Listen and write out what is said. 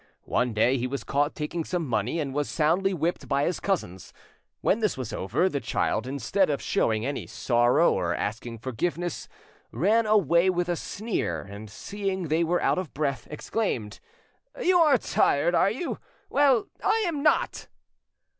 One day he was caught taking some money, and was soundly whipped by his cousins. When this was over, the child, instead of showing any sorrow or asking forgiveness, ran away with a sneer, and seeing they were out of breath, exclaimed— "You are tired, are you? Well, I am not!"